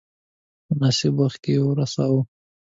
مناسب وخت کې ورساوه.